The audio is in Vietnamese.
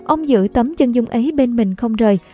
ông giữ tấm chân dung ấy bên mình không rời